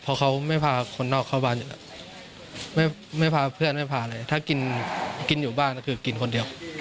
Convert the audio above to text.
เพราะเขาไม่พาคนนอกเข้าบ้านอยู่แล้วไม่พาเพื่อนไม่พาอะไรถ้ากินอยู่บ้านก็คือกินคนเดียว